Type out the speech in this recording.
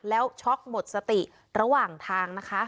แล้วช็อกหมดสติระหว่างทางนะคะ